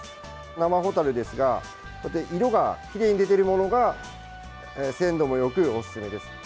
生ホタルですが色がきれいに出ているものが鮮度もよく、おすすめです。